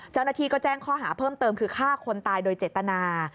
เจ้าหน้าที่ก็แจ้งข้อหาเพิ่มเติมคือฆ่าคนตายโดยเจตนา